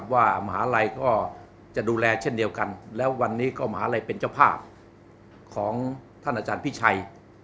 มหาลัยก็จะดูแลเช่นเดียวกันแล้ววันนี้ก็มหาลัยเป็นเจ้าภาพของท่านอาจารย์พิชัย